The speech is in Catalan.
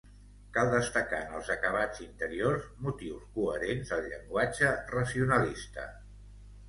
Cal destacar en els acabats interiors motius coherents al llenguatge racionalista.